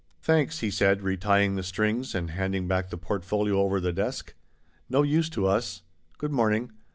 " Thanks," he said, retying the strings and h anding back the portfolio over the desk. " No use to us. Good morning.